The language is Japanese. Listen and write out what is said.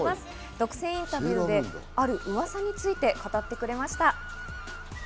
独占インタビューであるうわさについて語ってくれました。